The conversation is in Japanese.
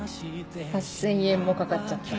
８０００円もかかっちゃった。